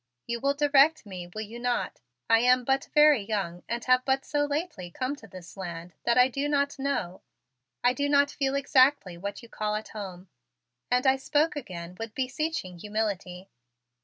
You will direct me, will you not? I am very young and I have but so lately come to this land that I do not know I do not feel exactly what you call at home." And I spoke again with beseeching humility.